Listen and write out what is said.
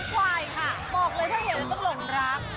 เลยค่ะบอกเลยถ้าจะเห็นต้องหล่นรัก